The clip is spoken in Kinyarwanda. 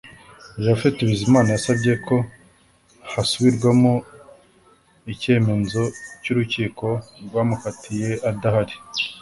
Japhet Bizimana yasabye ko hasubirwamo icyemenzo cy’ urukiko rwamukatiye adahari